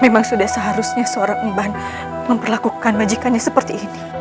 memang sudah seharusnya seorang emban memperlakukan majikannya seperti ini